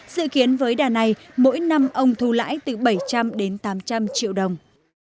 dự kiến với đà này mỗi năm ông thu lãi từ bảy trăm linh đến tám trăm linh triệu đồng